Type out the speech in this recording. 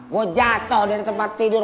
gue jatuh dari tempat tidur